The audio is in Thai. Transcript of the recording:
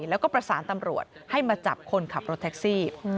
แล้วก็ประสานตำรวจให้มาจับคนขับรถแท็กซี่